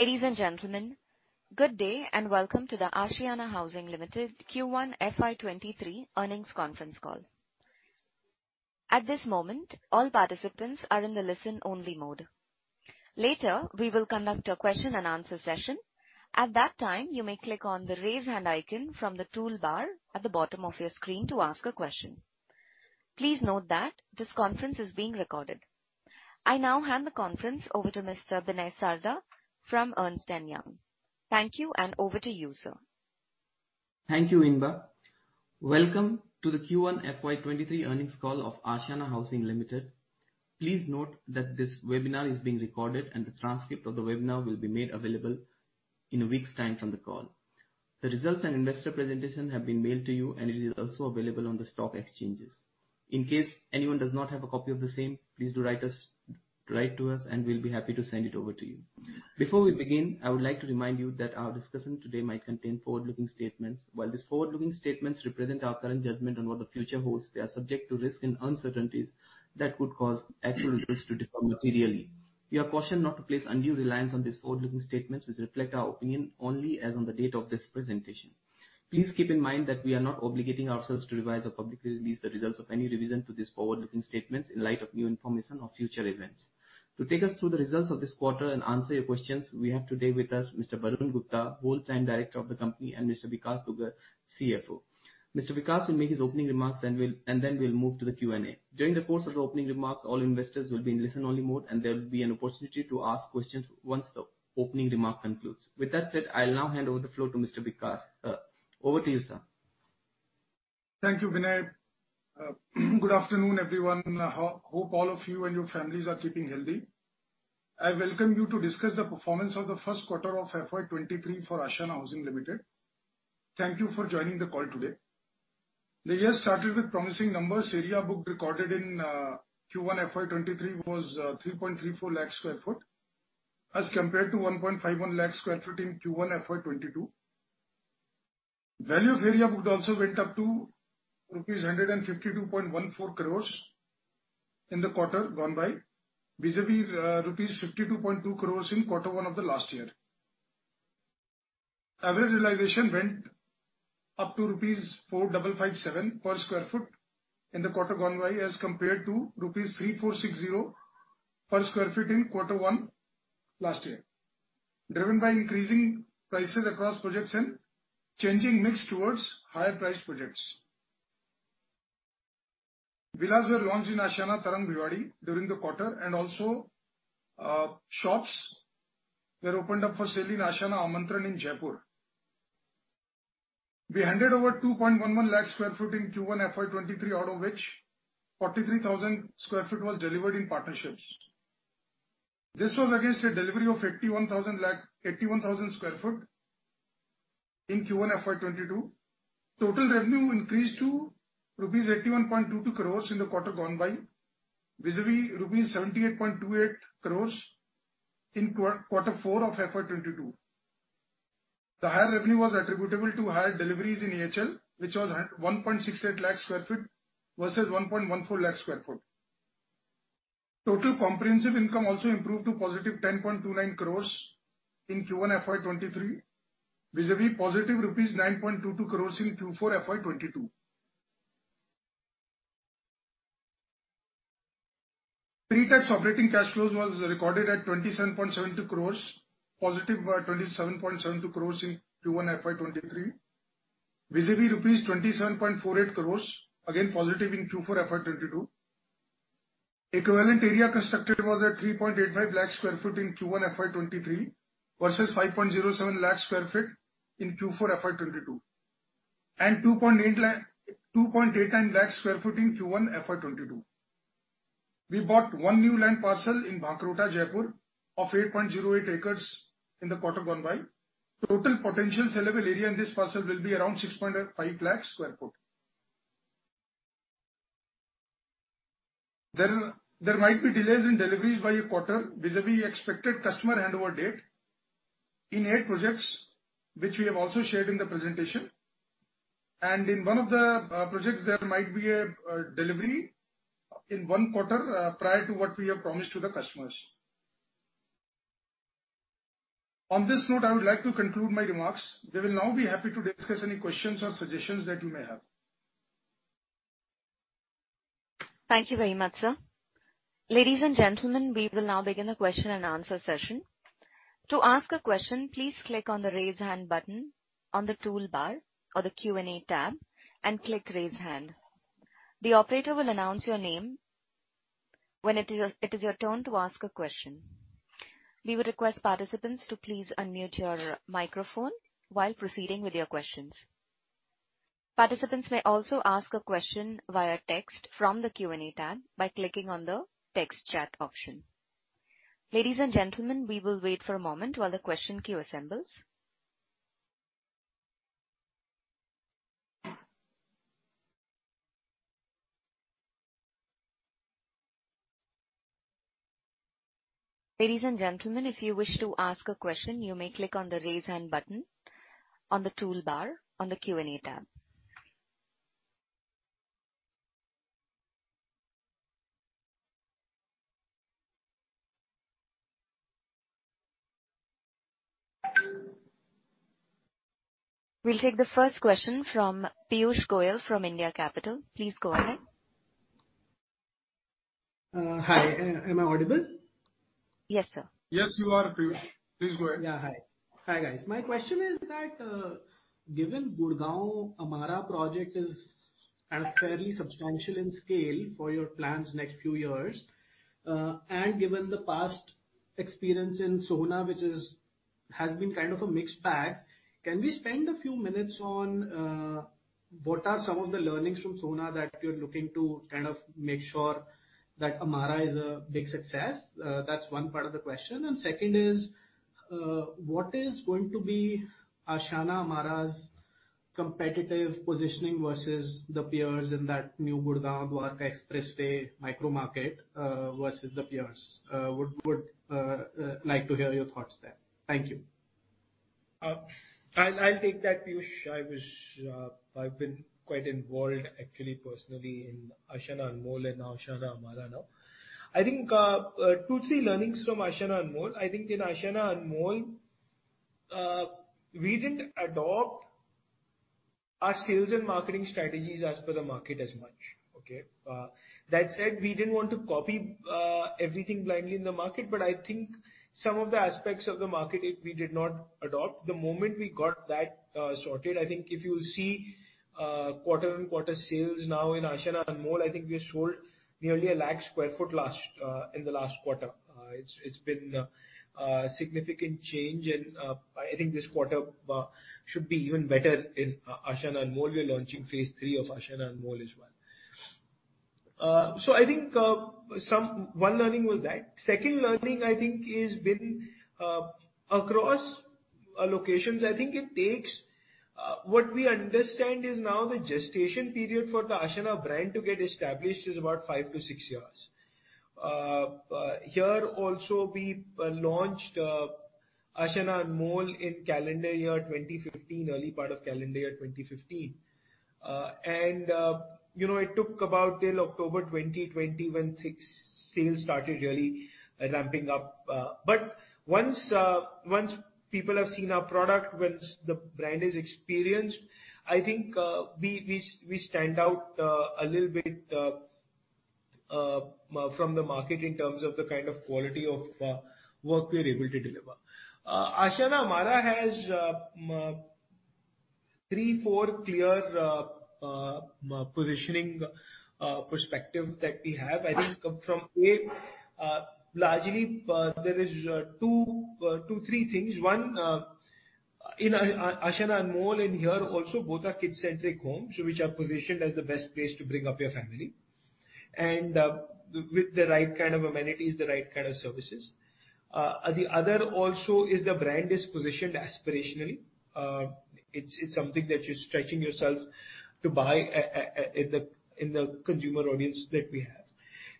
Ladies and gentlemen, good day, and welcome to the Ashiana Housing Limited Q1 FY23 earnings conference call. At this moment, all participants are in the listen-only mode. Later, we will conduct a question and answer session. At that time, you may click on the Raise Hand icon from the toolbar at the bottom of your screen to ask a question. Please note that this conference is being recorded. I now hand the conference over to Mr. Binay Sarda from Ernst & Young. Thank you, and over to you, sir. Thank you, Inba. Welcome to the Q1 FY23 earnings call of Ashiana Housing Limited. Please note that this webinar is being recorded, and the transcript of the webinar will be made available in a week's time from the call. The results and investor presentation have been mailed to you, and it is also available on the stock exchanges. In case anyone does not have a copy of the same, please do write to us, and we'll be happy to send it over to you. Before we begin, I would like to remind you that our discussion today might contain forward-looking statements. While these forward-looking statements represent our current judgment on what the future holds, they are subject to risks and uncertainties that could cause actual results to differ materially. You are cautioned not to place undue reliance on these forward-looking statements, which reflect our opinion only as on the date of this presentation. Please keep in mind that we are not obligating ourselves to revise or publicly release the results of any revision to these forward-looking statements in light of new information or future events. To take us through the results of this quarter and answer your questions, we have today with us Mr. Varun Gupta, whole-time Director of the company, and Mr. Vikash Dugar, CFO. Mr. Vikash will make his opening remarks, and then we'll move to the Q&A. During the course of the opening remarks, all investors will be in listen-only mode, and there will be an opportunity to ask questions once the opening remark concludes. With that said, I'll now hand over the floor to Mr. Vikash. Over to you, sir. Thank you, Binay. Good afternoon, everyone. Hope all of you and your families are keeping healthy. I welcome you to discuss the performance of the first quarter of FY23 for Ashiana Housing Limited. Thank you for joining the call today. The year started with promising numbers. Area booked recorded in Q1 FY23 was 3.34 lakh sq ft, as compared to 1.51 lakh sq ft in Q1 FY22. Value of area booked also went up to rupees 152.14 crores in the quarter gone by, vis-à-vis rupees 52.2 crores in quarter one of the last year. Average realization went up to rupees 4,557 per sq ft in the quarter gone by, as compared to rupees 3,460 per sq ft in quarter one last year, driven by increasing prices across projects and changing mix towards higher priced projects. Villas were launched in Ashiana Tarang, Bhiwadi, during the quarter, and also, shops were opened up for sale in Ashiana Amantran in Jaipur. We handed over 2.11 lakh sq ft in Q1 FY23, out of which 43,000 sq ft was delivered in partnerships. This was against a delivery of 81,000 sq ft in Q1 FY22. Total revenue increased to rupees 81.22 crores in the quarter gone by, vis-à-vis rupees 78.28 crores in quarter four of FY22. The higher revenue was attributable to higher deliveries in AHL, which was at 1.68 lakh sq ft versus 1.14 lakh sq ft. Total comprehensive income also improved to positive 10.29 crores in Q1 FY 2023, vis-à-vis positive rupees 9.22 crores in Q4 FY 2022. Pre-tax operating cash flows was recorded at 27.72 crores, positive, 27.72 crores in Q1 FY 2023, vis-à-vis INR 27.48 crores, again positive in Q4 FY 2022. Equivalent area constructed was at 3.85 lakh sq ft in Q1 FY 2023, versus 5.07 lakh sq ft in Q4 FY 2022, and 2.89 lakh sq ft in Q1 FY 2022. We bought one new land parcel in Bhankarota, Jaipur, of 8.08 acres in the quarter gone by. Total potential saleable area in this parcel will be around 650,000 sq ft. There, there might be delays in deliveries by a quarter vis-à-vis expected customer handover date in eight projects, which we have also shared in the presentation, and in one of the projects, there might be a delivery in one quarter prior to what we have promised to the customers. On this note, I would like to conclude my remarks. We will now be happy to discuss any questions or suggestions that you may have. Thank you very much, sir. Ladies and gentlemen, we will now begin the question and answer session. To ask a question, please click on the Raise Hand button on the toolbar or the Q&A tab and click Raise Hand. The operator will announce your name when it is your turn to ask a question. We would request participants to please unmute your microphone while proceeding with your questions. Participants may also ask a question via text from the Q&A tab by clicking on the Text Chat option. Ladies and gentlemen, we will wait for a moment while the question queue assembles. Ladies and gentlemen, if you wish to ask a question, you may click on the Raise Hand button on the toolbar on the Q&A tab. We'll take the first question from Piyush Goyal from India Capital. Please go ahead. Hi, am I audible? Yes, sir. Yes, you are, Piyush. Please go ahead. Yeah. Hi. Hi, guys. My question is that, given Gurgaon Amarah project is fairly substantial in scale for your plans next few years, and given the past experience in Sohna, which is... has been kind of a mixed bag, can we spend a few minutes on what are some of the learnings from Sohna that you're looking to kind of make sure that Amarah is a big success? That's one part of the question. And second is, what is going to be Ashiana Amarah's competitive positioning versus the peers in that new Gurgaon Dwarka Expressway micromarket, versus the peers? Would like to hear your thoughts there. Thank you. I'll take that, Piyush. I've been quite involved, actually, personally, in Ashiana Anmol and now Ashiana Amarah. I think, 2-3 learnings from Ashiana Anmol. I think in Ashiana Anmol, we didn't adopt our sales and marketing strategies as per the market as much, okay? That said, we didn't want to copy everything blindly in the market, but I think some of the aspects of the market, we did not adopt. The moment we got that sorted, I think if you see, quarter-on-quarter sales now in Ashiana Anmol, I think we sold nearly 100,000 sq ft last in the last quarter. It's been a significant change, and I think this quarter should be even better in Ashiana Anmol. We are launching phase III of Ashiana Anmol as well. So I think, one learning was that. Second learning, I think, is been across our locations, I think it takes. What we understand is now the gestation period for the Ashiana brand to get established is about five to six years. Here also, we launched Ashiana Anmol in calendar year 2015, early part of calendar year 2015. And you know, it took about till October 2020, when sales started really ramping up, but once, once people have seen our product, once the brand is experienced, I think, we, we, we stand out, a little bit, from the market in terms of the kind of quality of, work we're able to deliver. Ashiana Amarah has three, four clear positioning perspective that we have. I think from A, largely, there is two, two, three things. One, in A- Ashiana Anmol, and here also, both are kid-centric homes, which are positioned as the best place to bring up your family, and with the right kind of amenities, the right kind of services. The other also is the brand is positioned aspirationally. It's, it's something that you're stretching yourselves to buy i-at, at, in the, in the consumer audience that we have.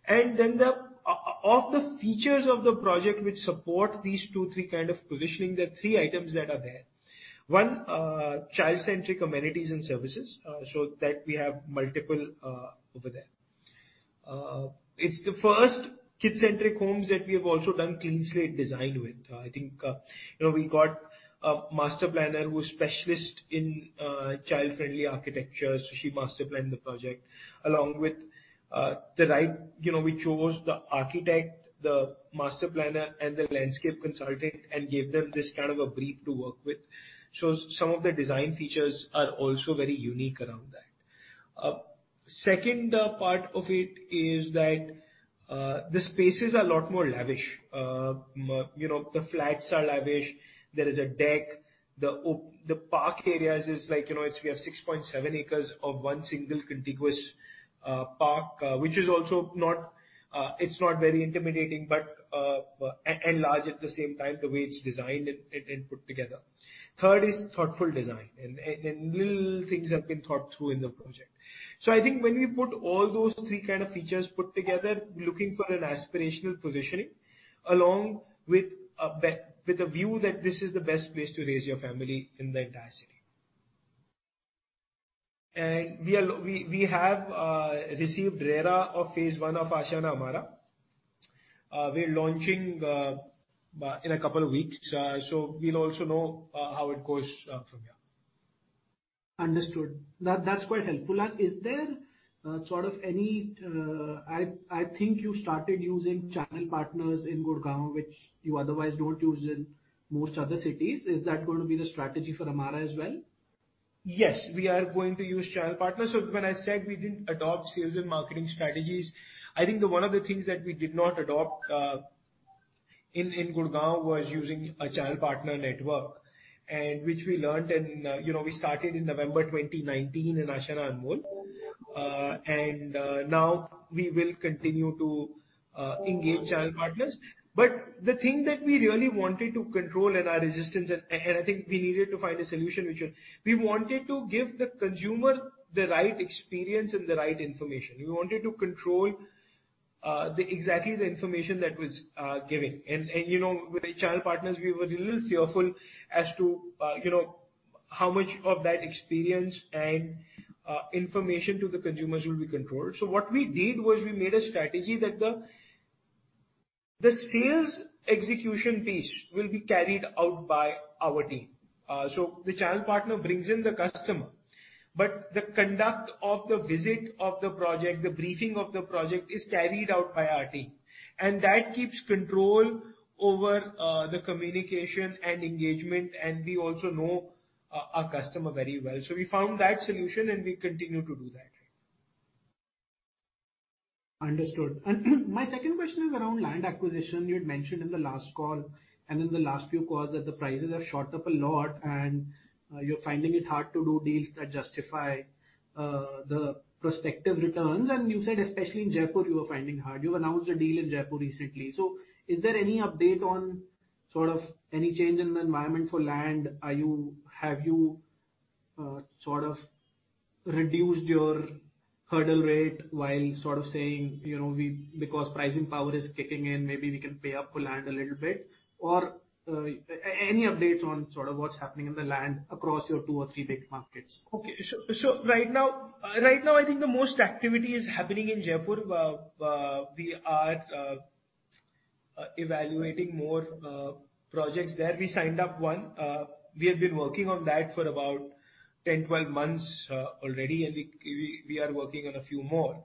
And then the... Of, of the features of the project which support these two, three kind of positioning, there are three items that are there. One, child-centric amenities and services, so that we have multiple, over there. It's the first kid-centric homes that we have also done clean slate design with. I think, you know, we got a master planner who is specialist in child-friendly architecture, so she master planned the project along with the right. You know, we chose the architect, the master planner, and the landscape consultant and gave them this kind of a brief to work with. So some of the design features are also very unique around that. Second, part of it is that, the spaces are a lot more lavish. You know, the flats are lavish. There is a deck. The park areas is like, you know, it's we have 6.7 acres of one single contiguous park, which is also not, it's not very intimidating, but, and large at the same time, the way it's designed and put together. Third is thoughtful design, and little things have been thought through in the project. So I think when we put all those three kind of features put together, looking for an aspirational positioning, along with a view that this is the best place to raise your family in the entire city. And we are, we, we have received RERA of phase I of Ashiana Amarah. We're launching in a couple of weeks, so we'll also know how it goes from here. Understood. That, that's quite helpful. And is there sort of any... I think you started using channel partners in Gurgaon, which you otherwise don't use in most other cities. Is that going to be the strategy for Amarah as well? Yes, we are going to use channel partners. So when I said we didn't adopt sales and marketing strategies, I think the one of the things that we did not adopt in Gurgaon was using a channel partner network, and which we learnt, you know, we started in November 2019 in Ashiana Anmol. And now we will continue to engage channel partners. But the thing that we really wanted to control and our resistance, and I think we needed to find a solution which would... We wanted to give the consumer the right experience and the right information. We wanted to control exactly the information that was given. And, you know, with the channel partners, we were a little fearful as to, you know... How much of that experience and, information to the consumers will be controlled. So what we did was we made a strategy that the sales execution piece will be carried out by our team. So the channel partner brings in the customer, but the conduct of the visit of the project, the briefing of the project, is carried out by our team, and that keeps control over, the communication and engagement, and we also know our customer very well. So we found that solution, and we continue to do that. Understood. My second question is around land acquisition. You had mentioned in the last call and in the last few calls, that the prices have shot up a lot, and you're finding it hard to do deals that justify the prospective returns. You said especially in Jaipur, you are finding hard. You've announced a deal in Jaipur recently. Is there any update on sort of any change in the environment for land? Have you sort of reduced your hurdle rate while sort of saying, you know, because pricing power is kicking in, maybe we can pay up for land a little bit? Or any updates on sort of what's happening in the land across your two or three big markets? Okay. So right now, I think the most activity is happening in Jaipur. We are evaluating more projects there. We signed up one. We have been working on that for about 10, 12 months already, and we are working on a few more.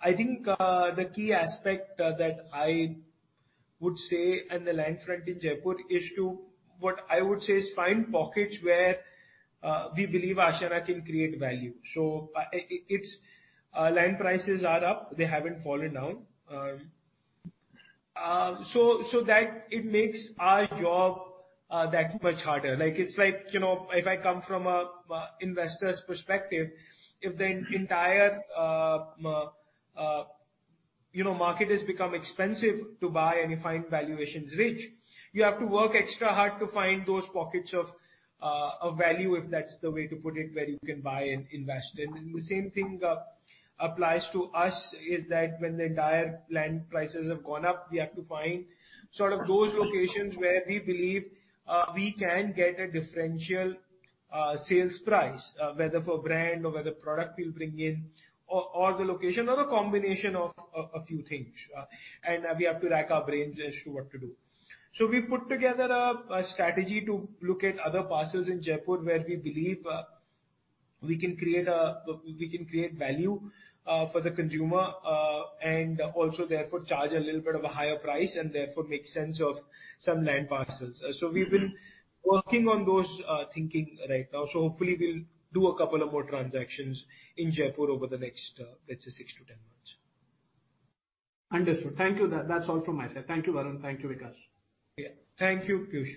I think the key aspect that I would say on the land front in Jaipur is to, what I would say is, find pockets where we believe Ashiana can create value. So, it's land prices are up, they haven't fallen down. So that it makes our job that much harder. Like, it's like, you know, if I come from a investor's perspective, if the entire, you know, market has become expensive to buy, and you find valuations rich, you have to work extra hard to find those pockets of of value, if that's the way to put it, where you can buy and invest. And the same thing applies to us, is that when the entire land prices have gone up, we have to find sort of those locations where we believe we can get a differential sales price, whether for brand or whether product we'll bring in, or, or the location or a combination of a few things, and we have to rack our brains as to what to do. So we put together a strategy to look at other parcels in Jaipur, where we believe, we can create, we can create value, for the consumer, and also therefore charge a little bit of a higher price and therefore make sense of some land parcels. So we've been working on those, thinking right now. So hopefully we'll do a couple of more transactions in Jaipur over the next, let's say, 6-10 months. Understood. Thank you. That, that's all from my side. Thank you, Varun. Thank you, Vikash. Yeah. Thank you, Piyush.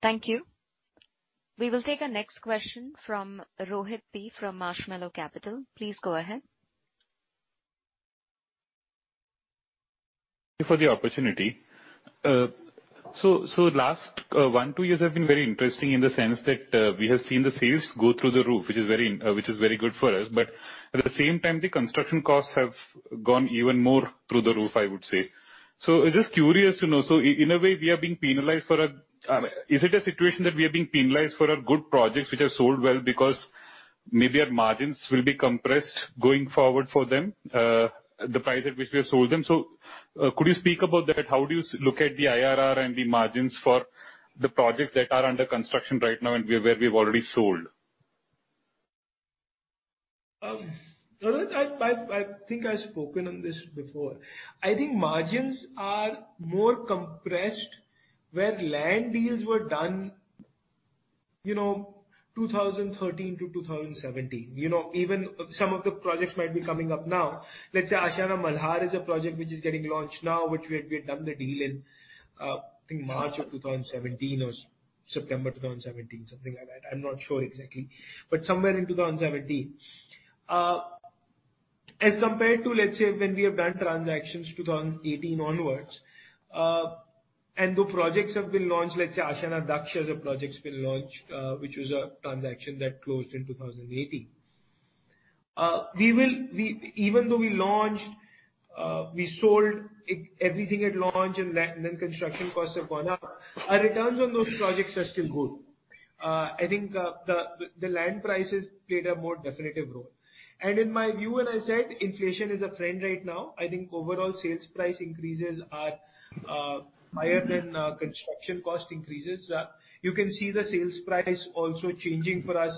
Thank you. We will take our next question from Rohith Potti from Marshmallow Capital. Please go ahead. Thank you for the opportunity. So, so last one, two years have been very interesting in the sense that we have seen the sales go through the roof, which is very, which is very good for us. But at the same time, the construction costs have gone even more through the roof, I would say. So I'm just curious to know, so in a way, we are being penalized for a... Is it a situation that we are being penalized for our good projects which have sold well, because maybe our margins will be compressed going forward for them, the price at which we have sold them? So, could you speak about that? How do you look at the IRR and the margins for the projects that are under construction right now and where, where we've already sold? Rohith, I think I've spoken on this before. I think margins are more compressed where land deals were done, you know, 2013-2017. You know, even some of the projects might be coming up now. Let's say Ashiana Malhar is a project which is getting launched now, which we had done the deal in, I think March 2017 or September 2017, something like that. I'm not sure exactly, but somewhere in 2017. As compared to, let's say, when we have done transactions 2018 onwards, and the projects have been launched, let's say Ashiana Daksh, as a project's been launched, which was a transaction that closed in 2018. Even though we launched, we sold everything at launch and then construction costs have gone up, our returns on those projects are still good. I think the land prices played a more definitive role. And in my view, and I said, inflation is a trend right now. I think overall sales price increases are higher than construction cost increases. You can see the sales price also changing for us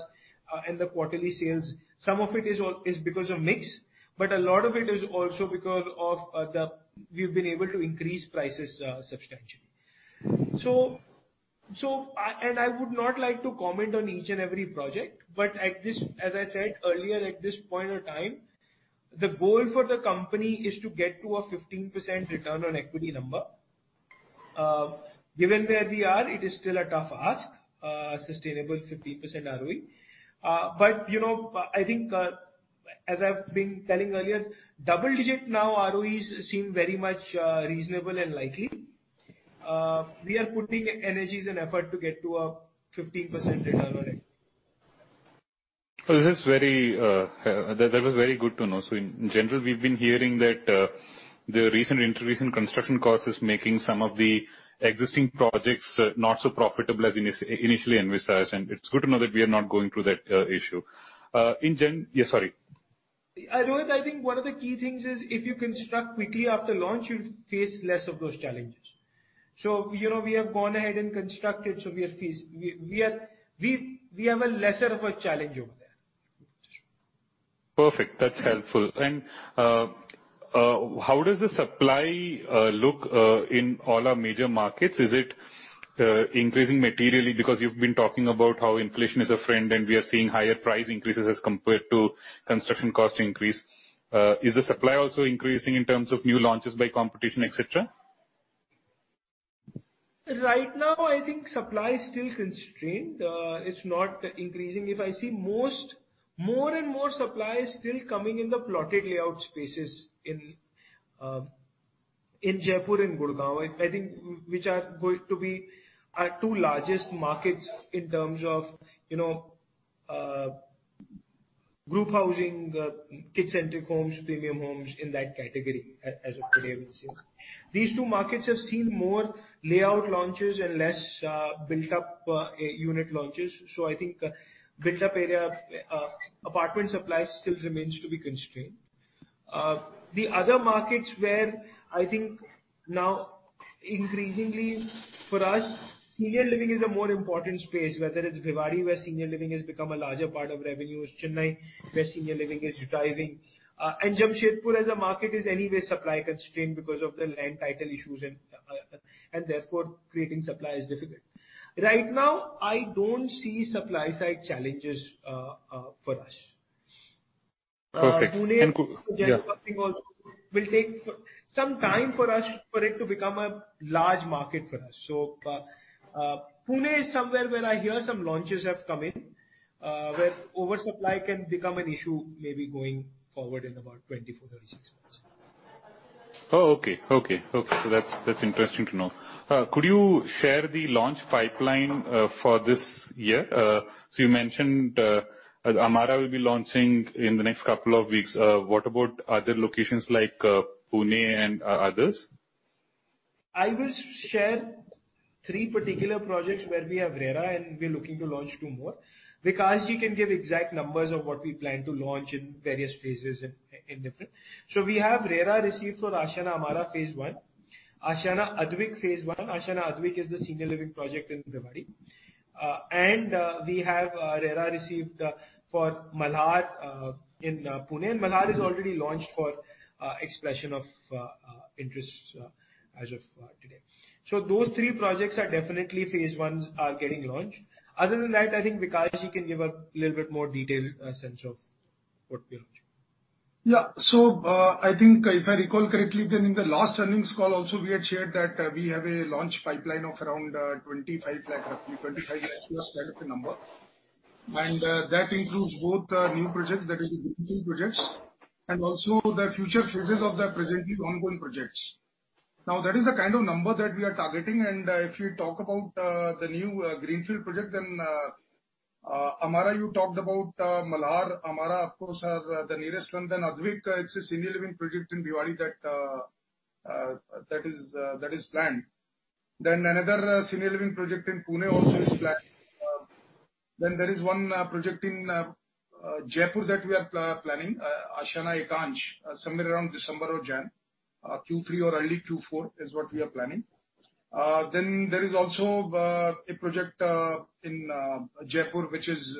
in the quarterly sales. Some of it is because of mix, but a lot of it is also because of we've been able to increase prices substant ally. So, and I would not like to comment on each and every project, but at this, as I said earlier, at this point or time, the goal for the company is to get to a 15% return on equity number. Given where we are, it is still a tough ask, a sustainable 15% ROE. But, you know, I think, as I've been telling earlier, double-digit now ROEs seem very much, reasonable and likely. We are putting energies and effort to get to a 15% return on it.... Well, that was very good to know. So in general, we've been hearing that the recent increase in construction costs is making some of the existing projects not so profitable as initially envisaged, and it's good to know that we are not going through that issue. Yeah, sorry. I know, but I think one of the key things is if you construct quickly after launch, you'll face less of those challenges. So, you know, we have gone ahead and constructed, so we have a lesser of a challenge over there. Perfect, that's helpful. And, how does the supply look in all our major markets? Is it increasing materially? Because you've been talking about how inflation is a friend, and we are seeing higher price increases as compared to construction cost increase. Is the supply also increasing in terms of new launches by competition, et cetera? Right now, I think supply is still constrained. It's not increasing. If I see, more and more supply is still coming in the plotted layout spaces in Jaipur and Gurgaon, I think, which are going to be our two largest markets in terms of, you know, group housing, kid-centric homes, premium homes in that category, as of today, we've seen. These two markets have seen more layout launches and less built-up unit launches, so I think built-up area apartment supply still remains to be constrained. The other markets where I think now increasingly for us, senior living is a more important space, whether it's Bhiwadi, where senior living has become a larger part of revenues, Chennai, where senior living is driving, and Jamshedpur as a market is anyway supply constrained because of the land title issues, and therefore, creating supply is difficult. Right now, I don't see supply-side challenges, for us. Perfect. And- Pune, in general, I think also will take some time for us for it to become a large market for us. So, Pune is somewhere where I hear some launches have come in, where oversupply can become an issue, maybe going forward in about 24-36 months. Oh, okay. Okay, okay. That's, that's interesting to know. Could you share the launch pipeline for this year? So you mentioned Amarah will be launching in the next couple of weeks. What about other locations like Pune and others? I will share three particular projects where we have RERA, and we're looking to launch two more. Vikasji can give exact numbers of what we plan to launch in various phases in different... So we have RERA received for Ashiana Amarah Phase I, Ashiana Advik Phase I. Ashiana Advik is the senior living project in Bhiwadi. And we have RERA received for Malhar in Pune, and Malhar is already launched for expression of interest as of today. So those three projects are definitely Phase I are getting launched. Other than that, I think Vikash can give a little bit more detailed sense of what we are launching. Yeah. So, I think if I recall correctly, then in the last earnings call also, we had shared that we have a launch pipeline of around 25 lakh, roughly 25 lakh, plus kind of a number. And that includes both new projects, that is greenfield projects, and also the future phases of the presently ongoing projects. Now, that is the kind of number that we are targeting. And if you talk about the new greenfield project, then Amarah, you talked about Malhar. Amarah, of course, are the nearest one. Then Advik, it's a senior living project in Bhiwadi that is planned. Then another senior living project in Pune also is planned. Then there is one project in Jaipur that we are planning, Ashiana Ekansh, somewhere around December or January, Q3 or early Q4 is what we are planning. Then there is also a project in Jaipur, which is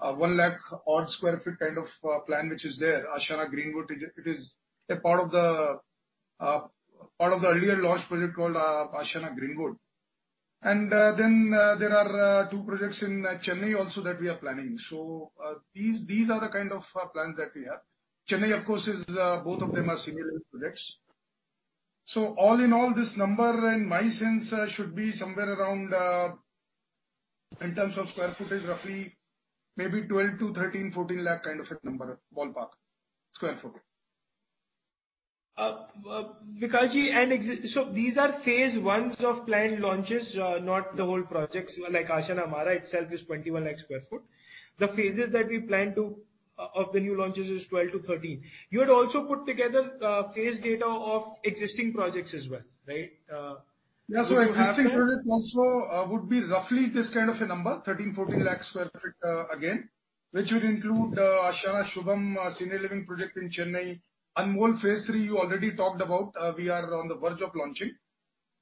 100,000-odd sq ft kind of plan, which is there, Ashiana Greenwood. It is a part of the earlier launched project called Ashiana Greenwood. Then there are two projects in Chennai also that we are planning. These are the kind of plans that we have. Chennai, of course, both of them are senior living projects. All in all, this number in my sense should be somewhere around, in terms of square footage, roughly maybe 12 to 13, 14 lakh kind of a number, ballpark, square footage. Vikash, so these are phase I of planned launches, not the whole projects. Like, Ashiana Amarah itself is 21 lakh sq ft. The phases that we plan to of the new launches is 12-13. You had also put together phase data of existing projects as well, right? If you have it. Yeah, so existing projects also would be roughly this kind of a number, 13-14 lakh sq ft, again, which would include Ashiana Shubham, senior living project in Chennai. Anmol Phase III, you already talked about, we are on the verge of launching.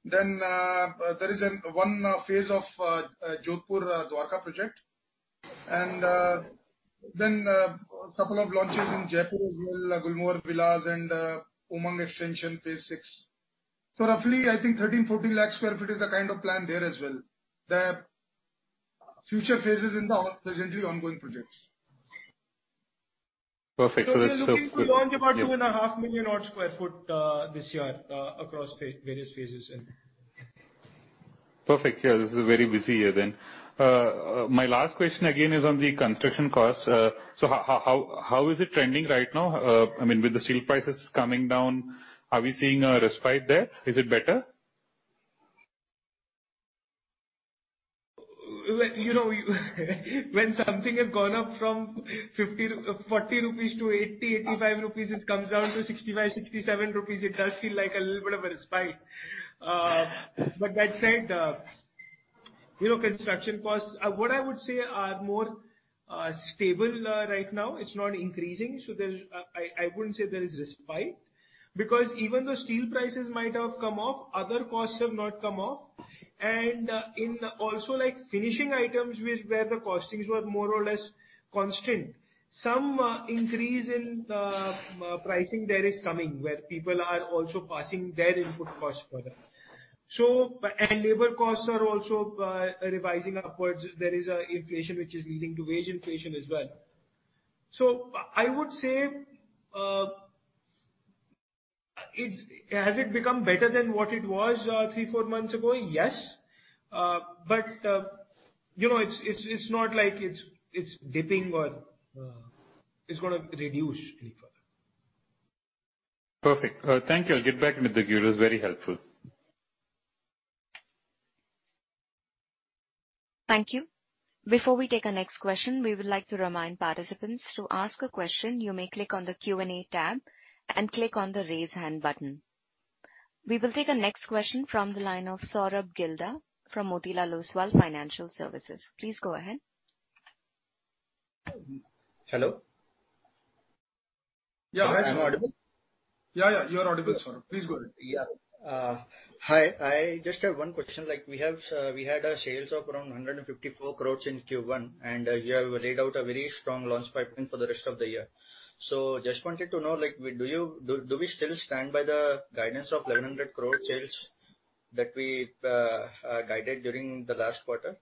Then, there is one phase of Jodhpur Dwarka project, and then couple of launches in Jaipur as well, Gulmohar Villas and Umang Extension, Phase VI. So roughly, I think 13-14 lakh sq ft is the kind of plan there as well, the future phases in the presently ongoing projects. Perfect. So we are looking to launch about 2.5 million odd sq ft this year across various phases and... Perfect. Yeah, this is a very busy year then. My last question again is on the construction costs. So how is it trending right now? I mean, with the steel prices coming down, are we seeing a respite there? Is it better?... You know, when something has gone up from 40-80 rupees-INR 85, it comes down to 65-67 rupees. It does feel like a little bit of a respite. But that said, you know, construction costs, what I would say are more stable right now. It's not increasing, so I wouldn't say there is respite. Because even though steel prices might have come off, other costs have not come off. And also in, like, finishing items, which where the costings were more or less constant, some increase in pricing there is coming, where people are also passing their input costs further. So, and labor costs are also revising upwards. There is inflation, which is leading to wage inflation as well. So I would say, it's. Has it become better than what it was three, four months ago? Yes. But you know, it's not like it's dipping or it's gonna reduce any further. Perfect. Thank you. I'll get back with you. It was very helpful. Thank you. Before we take our next question, we would like to remind participants, to ask a question, you may click on the Q&A tab and click on the Raise Hand button. We will take the next question from the line of Saurabh Gilda from Motilal Oswal Financial Services. Please go ahead. Hello? Yeah, hi, Saurabh. Am I audible? Yeah, yeah, you are audible, Saurabh. Please go ahead. Yeah. Hi, I just have one question, like, we have, we had our sales of around 154 crore in Q1, and you have laid out a very strong launch pipeline for the rest of the year. So just wanted to know, like, do we still stand by the guidance of 1,100 crore sales that we guided during the last quarter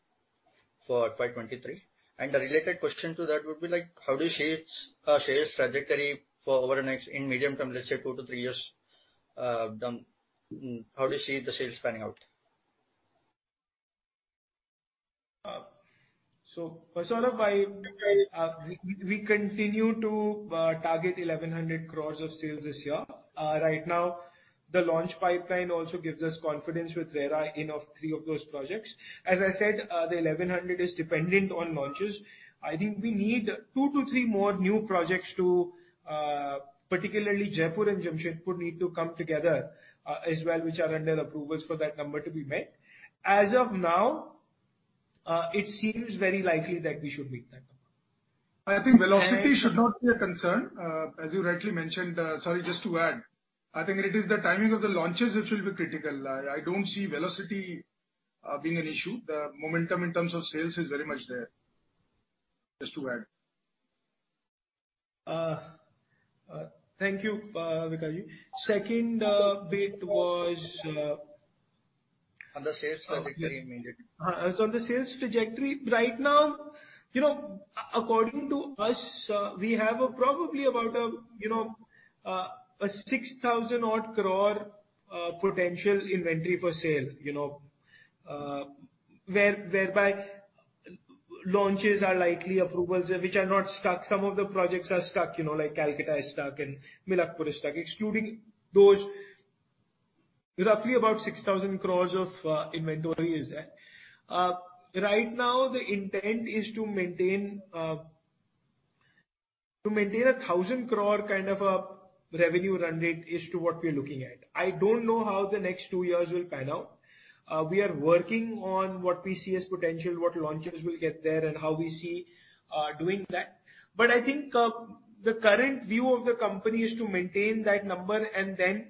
for FY23? And a related question to that would be, like, how do you see its sales trajectory for over the next, in medium term, let's say, 2-3 years. How do you see the sales panning out? So, Saurabh, we continue to target 1,100 crores of sales this year. Right now, the launch pipeline also gives us confidence with RERA in place for three of those projects. As I said, the 1,100 is dependent on launches. I think we need two to three more new projects, particularly Jaipur and Jamshedpur, to come together, as well, which are under approvals for that number to be met. As of now, it seems very likely that we should meet that. I think velocity should not be a concern, as you rightly mentioned. Sorry, just to add, I think it is the timing of the launches which will be critical. I don't see velocity being an issue. The momentum in terms of sales is very much there. Just to add. Thank you, Vikash. Second, bit was, On the sales trajectory, mainly. So the sales trajectory, right now, you know, according to us, we have probably about a 6,000-odd crore potential inventory for sale, you know, whereby launches are likely, approvals, which are not stuck. Some of the projects are stuck, you know, like Calcutta is stuck and Milakpur is stuck. Excluding those, roughly about 6,000 crores of inventory is there. Right now, the intent is to maintain, to maintain a 1,000 crore kind of a revenue run rate is to what we're looking at. I don't know how the next two years will pan out. We are working on what we see as potential, what launches we'll get there, and how we see doing that. But I think, the current view of the company is to maintain that number and then,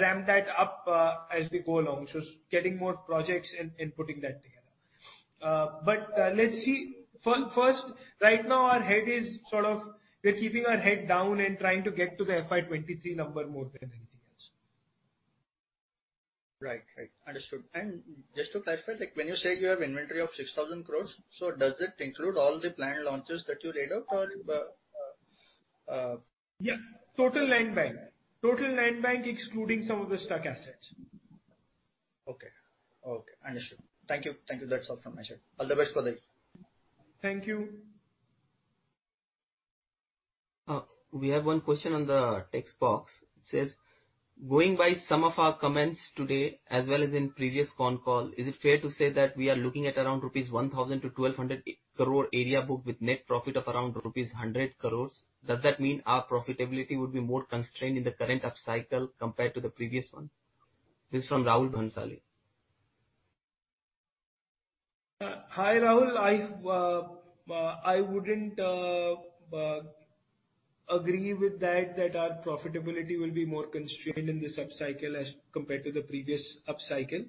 ramp that up, as we go along. So it's getting more projects and putting that together. But, let's see, first, right now, our head is sort of... We're keeping our head down and trying to get to the FY23 number more than anything else. Right. Right. Understood. And just to clarify, like, when you say you have inventory of 6,000 crore, so does it include all the planned launches that you laid out or? Yeah, total land bank. Total land bank, excluding some of the stuck assets. Okay. Okay, understood. Thank you. Thank you. That's all from my side. All the best for the- Thank you. We have one question on the text box. It says: Going by some of our comments today, as well as in previous con call, is it fair to say that we are looking at around 1,000 crore-1,200 crore rupees area book with net profit of around rupees 100 crore? Does that mean our profitability would be more constrained in the current upcycle compared to the previous one? This is from Rahul Bhansali. Hi, Rahul. I wouldn't agree with that, that our profitability will be more constrained in this upcycle as compared to the previous upcycle.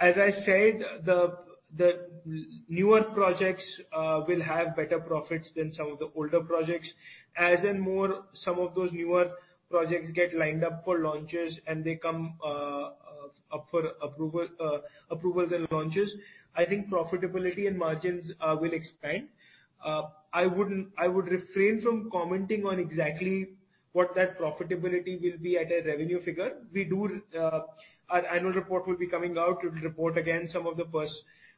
As I said, the newer projects will have better profits than some of the older projects. As more and more of those newer projects get lined up for launches and they come up for approvals and launches, I think profitability and margins will expand. I would refrain from commenting on exactly what that profitability will be at a revenue figure. Our annual report will be coming out. We'll report again some of the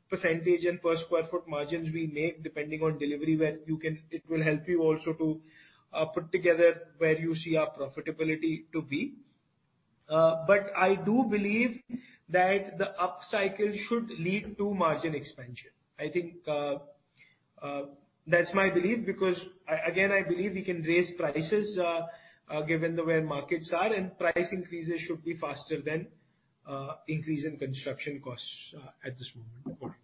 percentage and per square foot margins we make, depending on delivery. It will help you also to put together where you see our profitability to be. But I do believe that the upcycle should lead to margin expansion. I think, that's my belief, because, again, I believe we can raise prices, given the way markets are, and price increases should be faster than increase in construction costs, at this moment.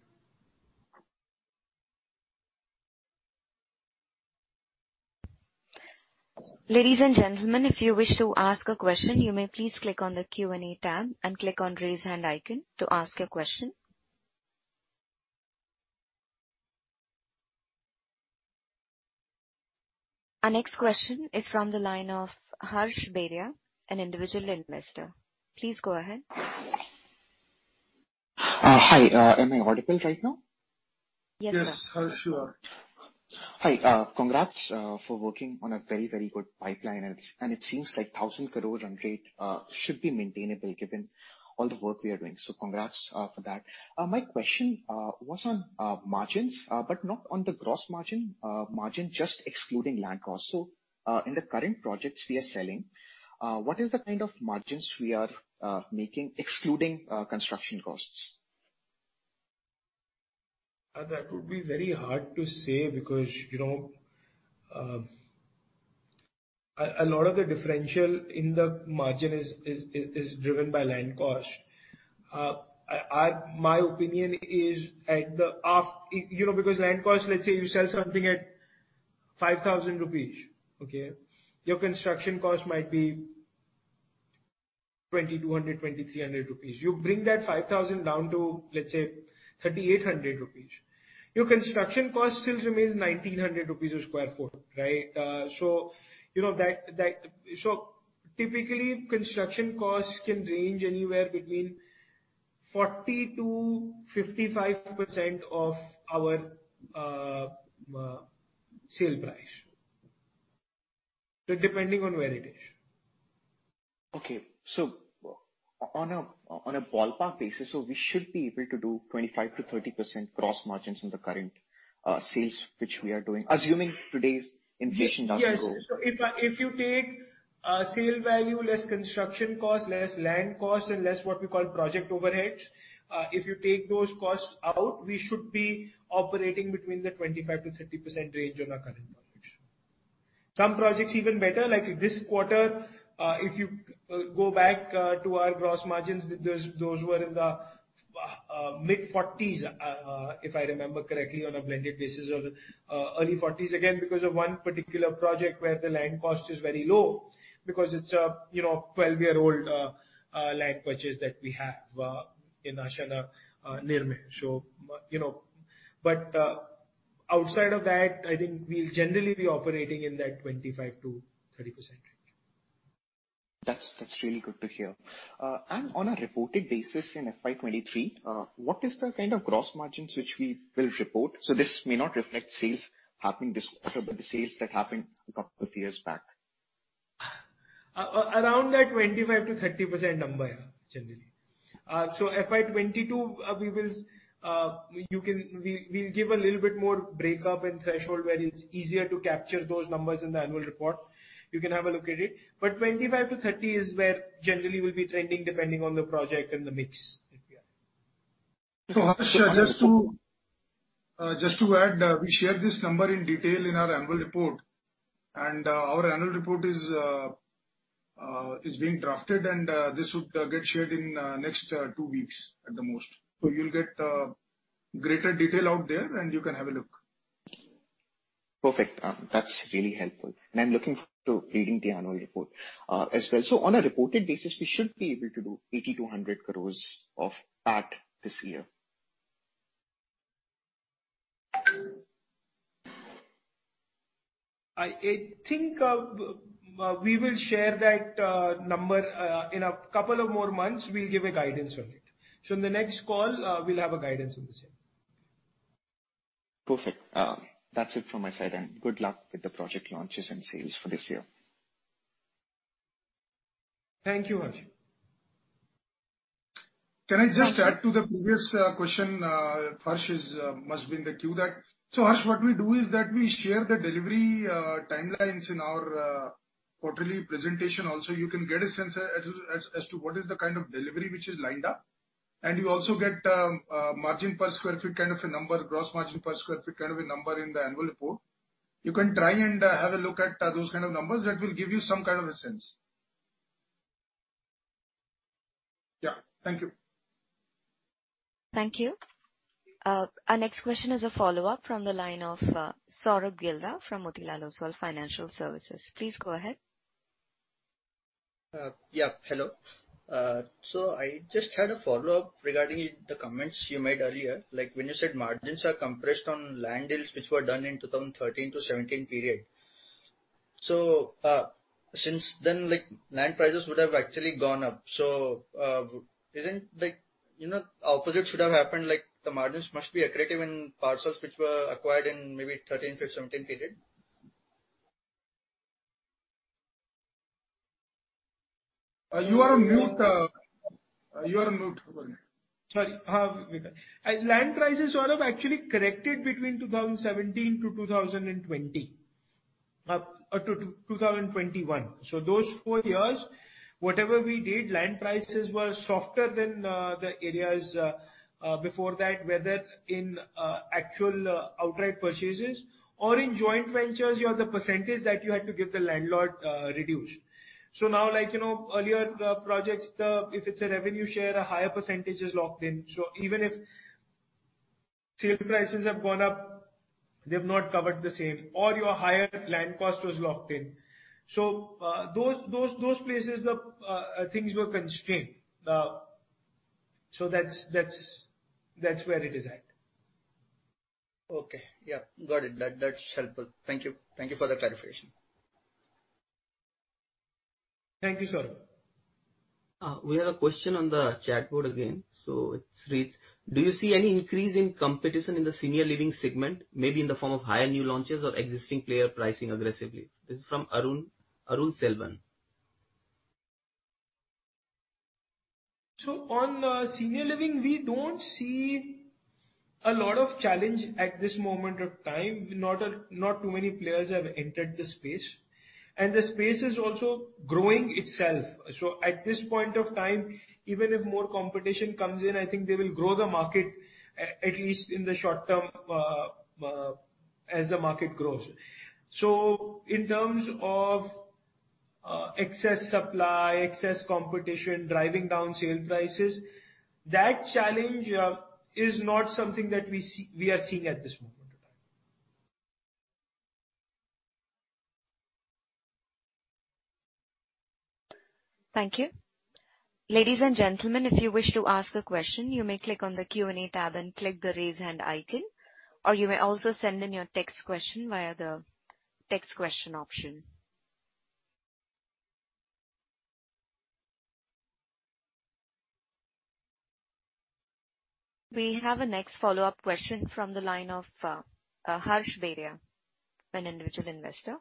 Ladies and gentlemen, if you wish to ask a question, you may please click on the Q&A tab and click on Raise Hand icon to ask a question. Our next question is from the line of Harsh Beria, an individual investor. Please go ahead. Hi, am I audible right now? Yes, sir. Yes, Harsh, you are. Hi, congrats for working on a very, very good pipeline, and it, and it seems like 1,000 crore run rate should be maintainable given all the work we are doing. So congrats for that. My question was on margins, but not on the gross margin, margin, just excluding land cost. So, in the current projects we are selling, what is the kind of margins we are making, excluding construction costs? That would be very hard to say because, you know, a lot of the differential in the margin is driven by land cost. My opinion is, off the cuff, you know, because land cost, let's say you sell something at 5,000 rupees, okay? Your construction cost might be 2,200-2,300 rupees. You bring that 5,000 down to, let's say, 3,800 rupees. Your construction cost still remains 1,900 rupees a sq ft, right? So you know that, so typically, construction costs can range anywhere between 40%-55% of our sale price, so depending on where it is. Okay. So on a ballpark basis, so we should be able to do 25%-30% gross margins in the current sales which we are doing, assuming today's inflation doesn't go. Yes. So if you take sale value, less construction cost, less land cost, and less what we call project overheads, if you take those costs out, we should be operating between the 25%-30% range on our current projects. Some projects even better, like this quarter, if you go back to our gross margins, those were in the mid-40s%, if I remember correctly, on a blended basis, or early 40s%, again, because of one particular project where the land cost is very low, because it's a, you know, 12-year-old land purchase that we have in Ashiana Nirmay. So, you know, but outside of that, I think we'll generally be operating in that 25%-30% range. That's, that's really good to hear. And on a reported basis in FY23, what is the kind of gross margins which we will report? So this may not reflect sales happening this quarter, but the sales that happened a couple of years back. Around that 25%-30% number, yeah, generally. So FY 2022, we will, you can- we, we'll give a little bit more breakup and threshold where it's easier to capture those numbers in the annual report. You can have a look at it. But 25-30 is where generally we'll be trending, depending on the project and the mix that we are. So, Harsh, just to add, we share this number in detail in our annual report, and our annual report is being drafted, and this would get shared in next two weeks at the most. So you'll get greater detail out there, and you can have a look. Perfect. That's really helpful. I'm looking forward to reading the annual report, as well. On a reported basis, we should be able to do 80 crore-100 crore of PAT this year. I think we will share that number in a couple of more months; we'll give a guidance on it. So in the next call, we'll have a guidance on the same. Perfect. That's it from my side, and good luck with the project launches and sales for this year. Thank you, Harsh. Can I just add to the previous question, Harsh is must be in the queue there. So, Harsh, what we do is that we share the delivery timelines in our quarterly presentation. Also, you can get a sense as to what is the kind of delivery which is lined up. And you also get margin per sq ft kind of a number, gross margin per sq ft kind of a number in the annual report. You can try and have a look at those kind of numbers. That will give you some kind of a sense. Yeah. Thank you. Thank you. Our next question is a follow-up from the line of, Saurabh Gilda from Motilal Oswal Financial Services. Please go ahead. Yeah, hello. So I just had a follow-up regarding the comments you made earlier, like when you said margins are compressed on land deals which were done in 2013 to 2017 period. So, since then, like land prices would have actually gone up. So, isn't like, you know, opposite should have happened, like the margins must be accretive in parcels which were acquired in maybe 2013-2017 period? You are on mute.... your note. Sorry. Land prices are actually corrected between 2017 and 2020, up to 2021. So those four years, whatever we did, land prices were softer than the areas before that, whether in actual outright purchases or in joint ventures, you have the percentage that you had to give the landlord reduced. So now, like, you know, earlier projects, the—if it's a revenue share, a higher percentage is locked in. So even if sale prices have gone up, they've not covered the same, or your higher land cost was locked in. So those places, the things were constrained. So that's where it is at. Okay. Yeah, got it. That, that's helpful. Thank you. Thank you for the clarification. Thank you, Saurabh. We have a question on the chat board again. So it reads: Do you see any increase in competition in the senior living segment, maybe in the form of higher new launches or existing player pricing aggressively? This is from Arun Selvan. So on, senior living, we don't see a lot of challenge at this moment of time. Not a, not too many players have entered the space, and the space is also growing itself. So at this point of time, even if more competition comes in, I think they will grow the market, at least in the short term, as the market grows. So in terms of, excess supply, excess competition, driving down sale prices, that challenge, is not something that we see, we are seeing at this moment in time. Thank you. Ladies and gentlemen, if you wish to ask a question, you may click on the Q&A tab and click the Raise Hand icon, or you may also send in your text question via the Text Question option. We have a next follow-up question from the line of Harsh Beria, an individual investor.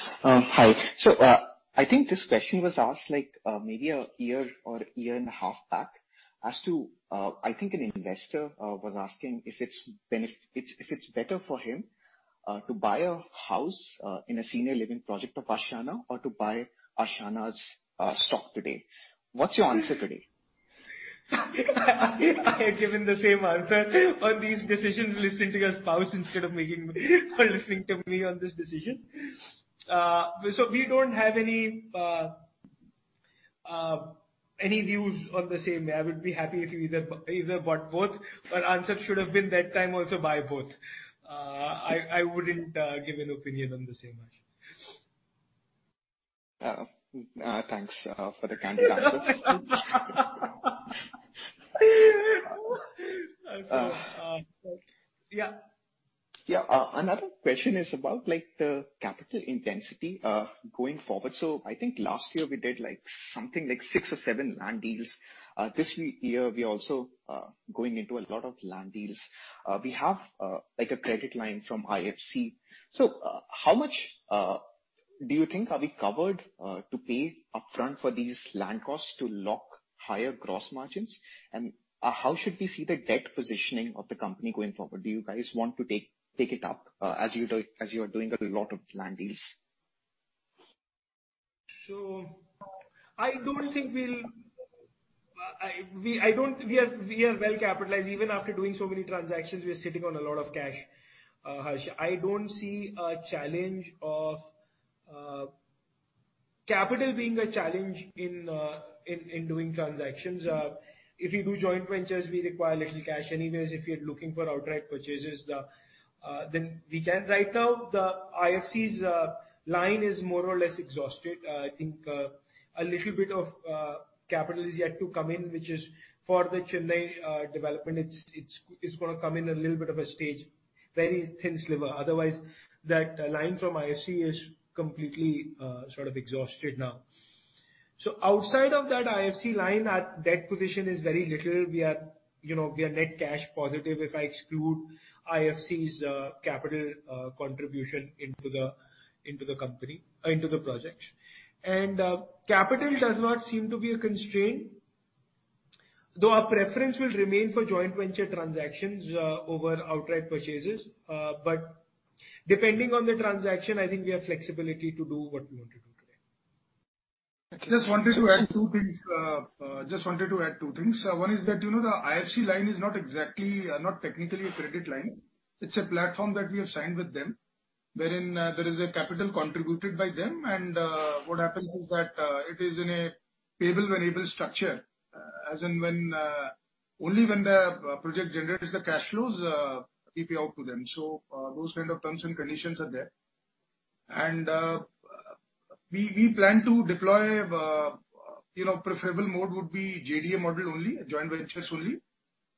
Please go ahead. Hi. So, I think this question was asked, like, maybe a year or a year and a half back, as to, I think an investor was asking if it's better for him to buy a house in a senior living project of Ashiana or to buy Ashiana's stock today. What's your answer today? I had given the same answer on these decisions, listening to your spouse instead of making or listening to me on this decision. So we don't have any views on the same. I would be happy if you either bought both, but answer should have been that time also buy both. I wouldn't give an opinion on the same item. Thanks for the candid answer. So, yeah. Yeah. Another question is about, like, the capital intensity going forward. So I think last year we did, like, something like six or seven land deals. This year, we also going into a lot of land deals. We have, like, a credit line from IFC. So, how much do you think are we covered to pay upfront for these land costs to lock higher gross margins? And, how should we see the debt positioning of the company going forward? Do you guys want to take it up as you are doing a lot of land deals? We are well capitalized. Even after doing so many transactions, we are sitting on a lot of cash, Harsh. I don't see a challenge of capital being a challenge in doing transactions. If you do joint ventures, we require little cash anyways. If you're looking for outright purchases, then we can. Right now, the IFC's line is more or less exhausted. I think a little bit of capital is yet to come in, which is for the Chennai development. It's gonna come in a little bit of a stage, very thin sliver. Otherwise, that line from IFC is completely sort of exhausted now. So outside of that IFC line, our debt position is very little. We are, you know, we are net cash positive, if I exclude IFC's capital contribution into the company, into the projects. And, capital does not seem to be a constraint, though our preference will remain for joint venture transactions over outright purchases. But depending on the transaction, I think we have flexibility to do what we want to do today. Just wanted to add two things. One is that, you know, the IFC line is not exactly, not technically a credit line. It's a platform that we have signed with them, wherein there is a capital contributed by them. And what happens is that it is in a payable and payable structure. As in when only when the project generates the cash flows, we pay out to them. So those kind of terms and conditions are there. And we plan to deploy, you know, preferable mode would be JDM model only, joint ventures only.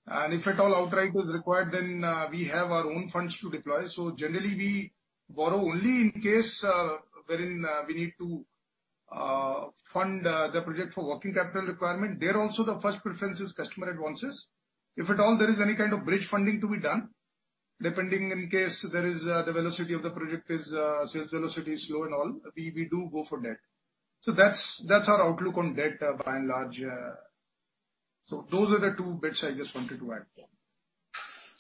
And if at all outright is required, then we have our own funds to deploy. So generally, we borrow only in case wherein we need to fund the project for working capital requirement. There also, the first preference is customer advances. If at all, there is any kind of bridge funding to be done depending in case there is the velocity of the project is sales velocity is slow and all, we, we do go for debt. So that's, that's our outlook on debt, by and large. So those are the two bits I just wanted to add.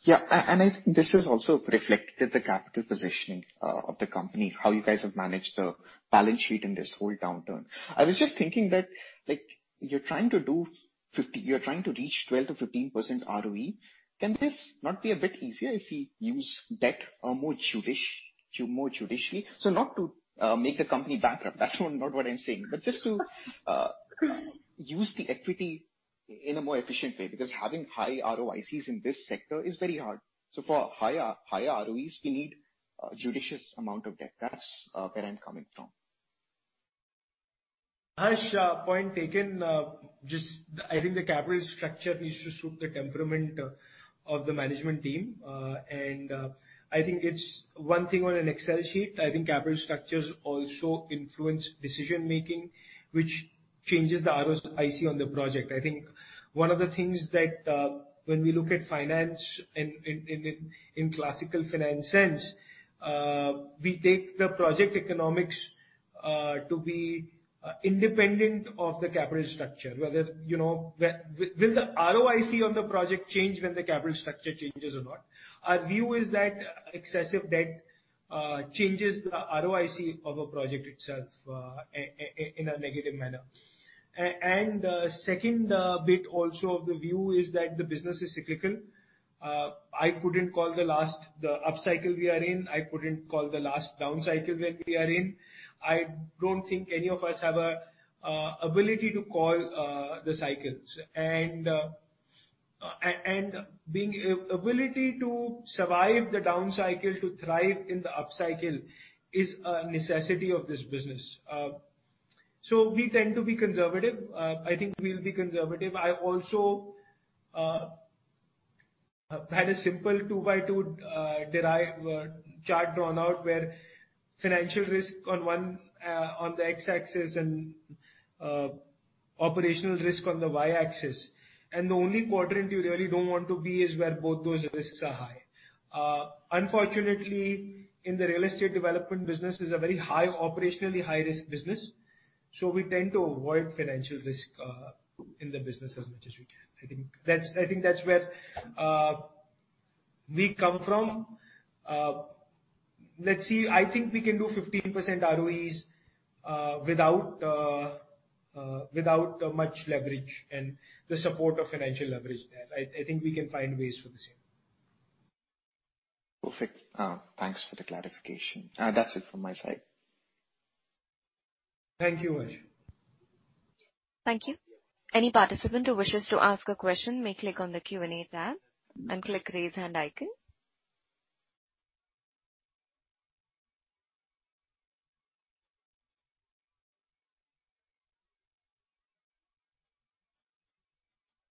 Yeah, and I think this has also reflected the capital positioning of the company, how you guys have managed the balance sheet in this whole downturn. I was just thinking that, like, you're trying to reach 12%-15% ROE. Can this not be a bit easier if we use debt more judiciously? So not to make the company bankrupt, that's not what I'm saying. But just to use the equity in a more efficient way, because having high ROICs in this sector is very hard. So for higher, higher ROEs, we need a judicious amount of debt. That's where I'm coming from. Harsh, point taken. Just, I think the capital structure needs to suit the temperament of the management team. And, I think it's one thing on an Excel sheet. I think capital structures also influence decision-making, which changes the ROIC on the project. I think one of the things that, when we look at finance in classical finance sense, we take the project economics to be independent of the capital structure, whether, you know... Will the ROIC on the project change when the capital structure changes or not? Our view is that excessive debt changes the ROIC of a project itself in a negative manner. And, second, bit also of the view is that the business is cyclical. I couldn't call the last the upcycle we are in. I couldn't call the last downcycle that we are in. I don't think any of us have an ability to call the cycles. And the ability to survive the downcycle, to thrive in the upcycle, is a necessity of this business. So we tend to be conservative. I think we'll be conservative. I also had a simple 2-by-2 derive chart drawn out where financial risk on one on the X-axis and operational risk on the Y-axis. And the only quadrant you really don't want to be is where both those risks are high. Unfortunately, in the real estate development business is a very high, operationally high-risk business, so we tend to avoid financial risk in the business as much as we can. I think that's, I think that's where we come from. Let's see, I think we can do 15% ROEs without much leverage and the support of financial leverage there. I think we can find ways for the same. Perfect. Thanks for the clarification. That's it from my side. Thank you, Harsh. Thank you. Any participant who wishes to ask a question may click on the Q&A tab and click Raise Hand icon.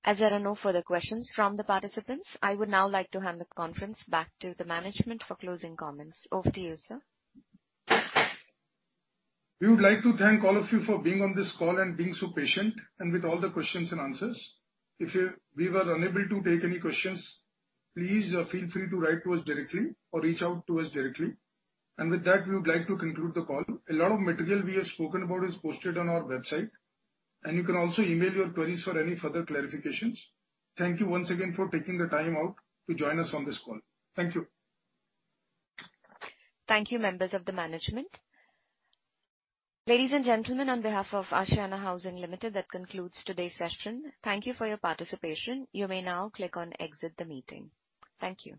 As there are no further questions from the participants, I would now like to hand the conference back to the management for closing comments. Over to you, sir. We would like to thank all of you for being on this call and being so patient, and with all the questions and answers. If we were unable to take any questions, please feel free to write to us directly or reach out to us directly. And with that, we would like to conclude the call. A lot of material we have spoken about is posted on our website, and you can also email your queries for any further clarifications. Thank you once again for taking the time out to join us on this call. Thank you. Thank you, members of the management. Ladies and gentlemen, on behalf of Ashiana Housing Limited, that concludes today's session. Thank you for your participation. You may now click on Exit the Meeting. Thank you.